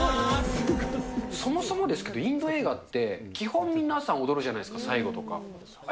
そもそもですけれども、インド映画って、基本、皆さん踊るじゃないですか、最後とか。